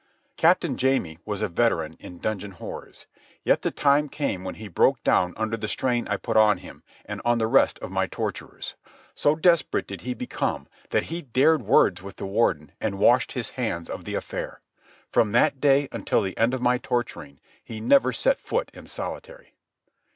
Captain Jamie was a veteran in dungeon horrors, yet the time came when he broke down under the strain I put on him and on the rest of my torturers. So desperate did he become that he dared words with the Warden and washed his hands of the affair. From that day until the end of my torturing he never set foot in solitary.